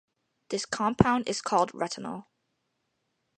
This compound is called retinal.